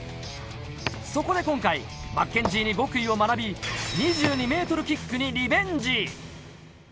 そこで今回、マッケンジーに極意を学び、２２ｍキックにリベンジ。